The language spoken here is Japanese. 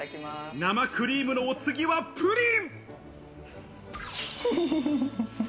生クリームのお次はプリン！